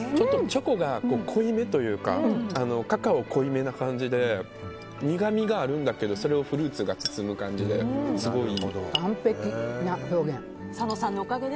チョコが濃いめというかカカオ濃いめな感じで苦みがあるんだけどそれをフルーツが包む感じで完璧な表現。